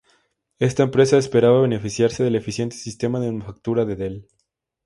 Esta empresa esperaba beneficiarse del eficiente sistema de manufactura de Dell.